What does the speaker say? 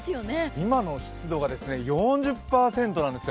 今の湿度が４０％なんですよ。